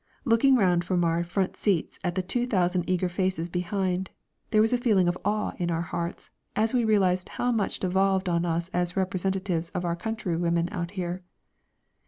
Looking round from our front seats at the 2,000 eager faces behind, there was a feeling of awe in our hearts as we realised how much devolved on us as representatives of our countrywomen out here.